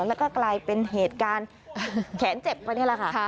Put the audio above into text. แล้วก็กลายเป็นเหตุการณ์แขนเจ็บไปนี่แหละค่ะ